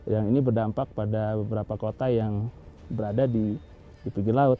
yang ini berdampak pada beberapa kota yang berada di pinggir laut